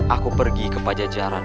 aku pergi ke pajajaran